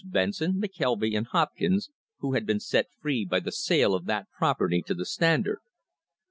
Benson, McKelvy and Hopkins, who had been set free by the sale of that property to the Standard.